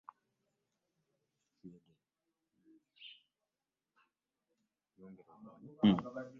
Waliwo engeri nnyingi ez’enjawulo ezisobola okuyamba okutumbula ebikungulwa ebinnansi mu butundu gye tuli.